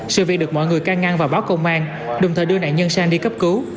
sự việc được mọi người can ngăn và báo công an đồng thời đưa nạn nhân sang đi cấp cứu